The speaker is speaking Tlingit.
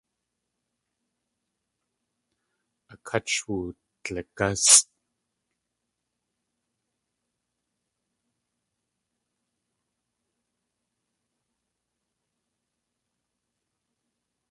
A kát sh wudligásʼ.